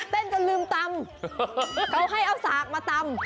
เต้นจนลืมตำเขาให้เอาสากมาตำ